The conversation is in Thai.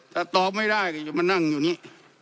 ถ้าตอบไม่ได้ก็จะมานั่งอยู่นี่